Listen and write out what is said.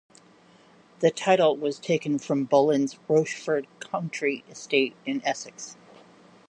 The title was taken from Boleyn's Rochford country estate in Essex.